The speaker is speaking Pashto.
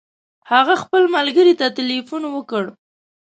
هغه خپل ملګري ته تلیفون وکړ.